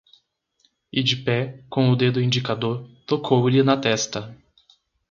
E de pé, com o dedo indicador, tocou-lhe na testa.